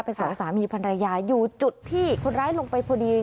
เป็นสองสามีภรรยาอยู่จุดที่คนร้ายลงไปพอดี